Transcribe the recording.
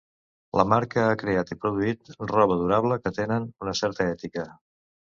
La marca ha creat i produït roba durable que tenen una certa ètica.